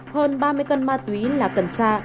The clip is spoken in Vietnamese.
hơn ba mươi cân ma túy là cần xa